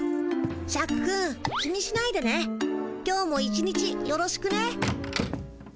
シャクくん気にしないでね今日も一日よろしくね。